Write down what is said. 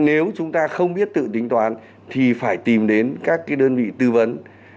nếu chúng ta không biết tự tính toán thì phải tìm đến các cái đơn vị tư vấn